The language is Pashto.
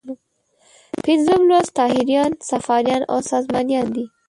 پنځم لوست طاهریان، صفاریان او سامانیان دي.